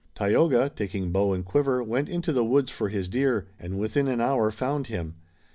Tayoga, taking bow and quiver, went into the woods for his deer, and within an hour found him.